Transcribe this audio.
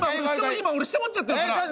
今俺下持っちゃってるから。